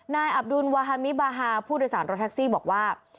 อับดุลวาฮามิบาฮาผู้โดยสารรถแท็กซี่บอกว่า